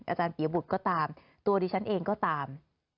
อาจารย์ปียบุตรก็ตามตัวดิฉันเองก็ตาม